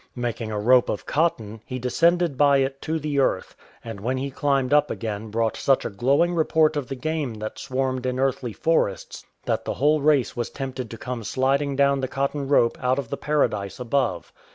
Making a rope of cotton, he descended by it to the earth, and when he climbed up again brought such a glowing report of the game that swarmed in earthly forests that the whole race was tempted to come sliding down the cotton rope out ot the Paradise above.